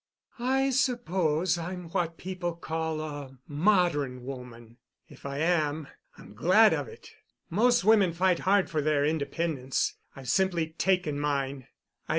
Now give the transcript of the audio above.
"I suppose I'm what people call a modern woman. If I am, I'm glad of it. Most women fight hard for their independence. I've simply taken mine.